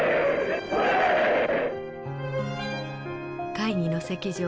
会議の席上